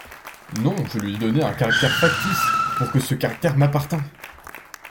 Non, je lui ai donné un caractère factice, pour que ce caractère m’appartint…